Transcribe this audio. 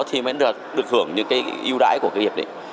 thì mới được hưởng những cái ưu đãi của cái hiệp định